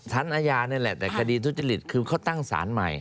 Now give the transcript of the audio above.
อาญานี่แหละแต่คดีทุจริตคือเขาตั้งสารใหม่